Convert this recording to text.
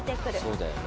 そうだよね。